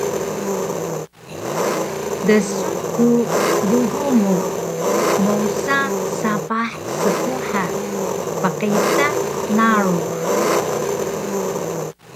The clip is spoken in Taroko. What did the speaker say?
Dsun ku bubu mu mowsa sapah spuhan pqita narux